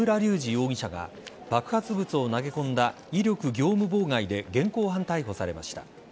容疑者が爆発物を投げ込んだ威力業務妨害で現行犯逮捕されました。